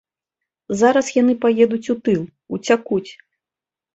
Зараз яны паедуць у тыл, уцякуць.